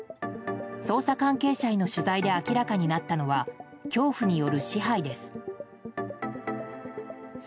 捜査関係者への取材で明らかになったのは恐怖による支配です。